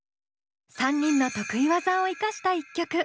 ３人の得意技を生かした１曲。